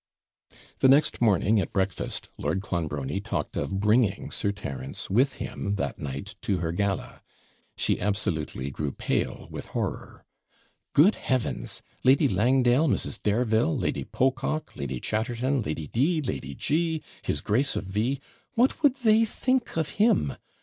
The next morning, at breakfast, Lord Clonbrony talked of bringing Sir Terence with him that night to her gala. She absolutely grew pale with horror. 'Good heavens! Lady Langdale, Mrs. Dareville, Lady Pococke, Lady Chatterton, Lady D , Lady G , his Grace of V ; what would they think of him?